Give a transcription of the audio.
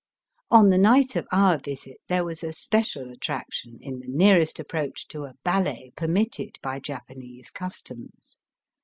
On the night of our visit there was a special attraction in the nearest approach to a ballet permitted by Japanese customs.